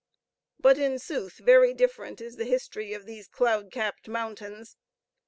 But in sooth very different is the history of these cloud capped mountains.